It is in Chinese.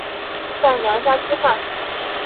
在娘家吃饭